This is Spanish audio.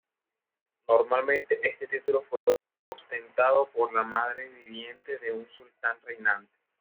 Normalmente, este título fue ostentado por la madre viviente de un sultán reinante.